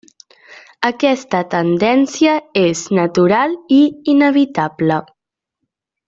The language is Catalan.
Aquesta tendència és natural i inevitable.